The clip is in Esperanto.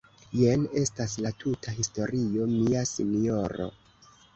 Jen estas la tuta historio, mia sinjoro.